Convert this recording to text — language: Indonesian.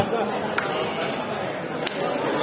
makasih banyak ya